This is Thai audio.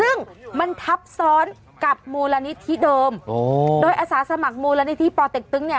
ซึ่งมันทับซ้อนกับมูลนิธิเดิมโอ้โดยอาสาสมัครมูลนิธิปอเต็กตึงเนี่ย